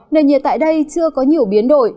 nền nhiệt tại đây chưa có nhiều biến đổi